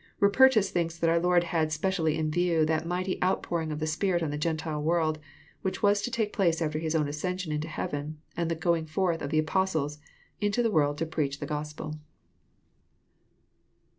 ^ Rupertns think that our Lord had specially in view that mighty outpouring of the Spirit on the Gentile world, which was to take place after His own ascension into heaven, and the going forth of the Apostles into the world to preach the Gospel.